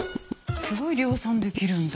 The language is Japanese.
すごい量産できるんだ。